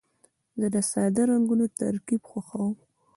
زه د ساده رنګونو ترکیب خوښوم.